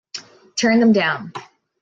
Turn them down!'.